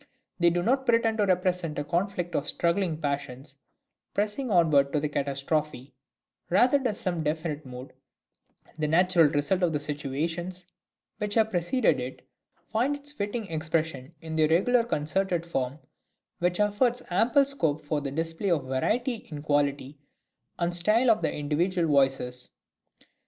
They do not pretend to represent a conflict of struggling passions, pressing onward to the catastrophe; rather does some definite mood, the natural result of the situations which have preceded it, find its fitting expression in their regular concerted form, which affords ample scope for the display of varieties in quality and style of the individual voices.